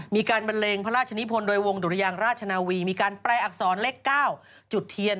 บันเลงพระราชนิพลโดยวงดุรยางราชนาวีมีการแปลอักษรเลข๙จุดเทียน